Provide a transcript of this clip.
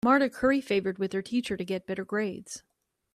Marta curry favored with her teacher to get better grades.